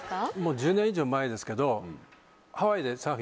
１０年以上前ですけど。